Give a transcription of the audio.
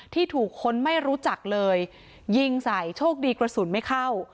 ที่ถูกคนไม่รู้จักเลยยิงใส่โชคดีกระสุนไม่เข้า